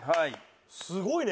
すごいね。